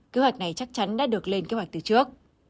kế hoạch này chắc chắn đã được lên kế hoạch từ trước